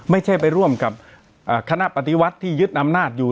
ไม่ใช่ไปร่วมกับคณะปฏิวัติที่ยึดอำนาจอยู่